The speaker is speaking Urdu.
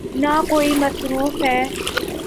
نہ کوئی مصرف ہے۔